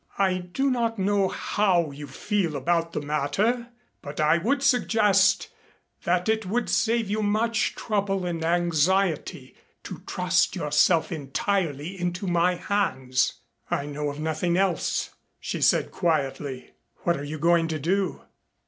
"I do not know how you feel about the matter, but I would suggest that it would save you much trouble and anxiety to trust yourself entirely into my hands." "I know of nothing else," she said quietly. "What are you going to do?"